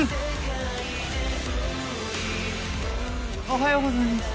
おはようございます。